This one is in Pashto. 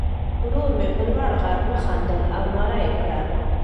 ورور مې په لوړ غږ وخندل او ناره یې کړه.